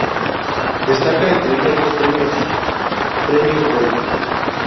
Destacan entre ellos dos premios Premios Goya.